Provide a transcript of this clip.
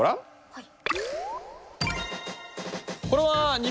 はい。